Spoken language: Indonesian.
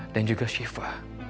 dan juga syifa